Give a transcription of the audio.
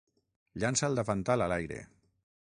Llança el davantal a l'aire.